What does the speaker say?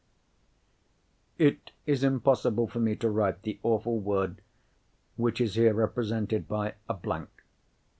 It is impossible for me to write the awful word, which is here represented by a blank.